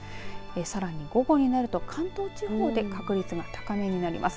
さらに午後になると関東地方で確率が高めになります。